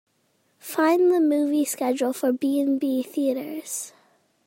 Find the movie schedule for B&B Theatres.